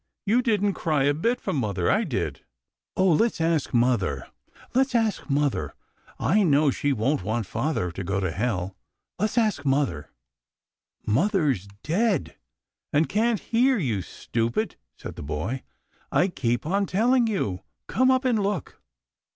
You didn't cry a bit for mother ; I did." " Oh, let's ask mother ! Let's ask mother ! I know she won't want father to go to hell. Let's ask mother 1 "" Mother's dead, and can't hear, you stupid," said the boy. " I keep on telling you. Come up and look."